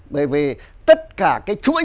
bởi vì tất cả cái chuỗi